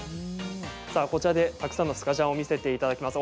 さあ、こちらでたくさんのスカジャンを見せていただきます。